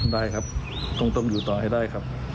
ได้ครับต้องอยู่ต่อให้ได้ครับ